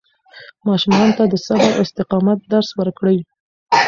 ماشومانو ته د صبر او استقامت درس ورکړئ.